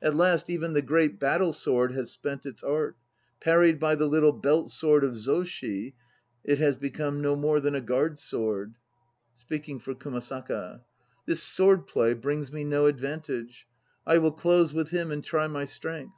At last even the great battle sword has spent its art. Parried by the little belt sword of Zoshi, 1 it has become no more than a guard sword. (Speaking for KUMASAKA.) "This sword play brings me no advantage; I will close with him and try my strength!"